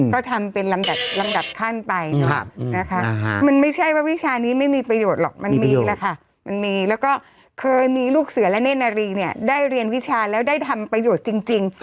ก็ทำเป็นลำดับลำดับขั้นไปเนอะนะคะมันไม่ใช่ว่าวิชานี้ไม่มีประโยชน์หรอกมันมีแหละค่ะมันมีแล้วก็เคยมีลูกเสือและเน่นนารีเนี่ยได้เรียนวิชาแล้วได้ทำประโยชน์จริง